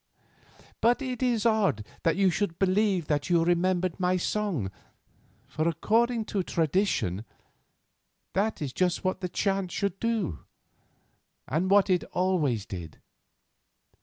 But it is odd that you should believe that you remembered my song, for, according to tradition, that is just what the chant should do, and what it always did.